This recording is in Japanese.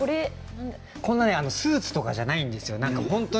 スーツとかじゃないんですよ。